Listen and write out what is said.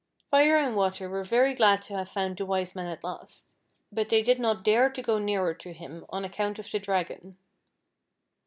Fire and Water were very glad to have found the Wise Man at last ; but they did not dare to go nearer to him on account of the Dragon.